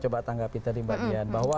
coba tanggapin tadi mbak dian bahwa